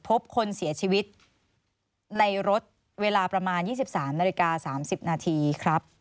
พบคนเสียชีวิตในรถเวลาประมาณ๒๓นาฬิกา๓๐นาทีครับ